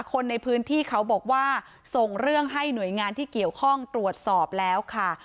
คนในพื้นที่เขาบอกว่าส่งเรื่องให้หน่วยงานที่เกี่ยวข้องตรวจสอบแล้วค่ะ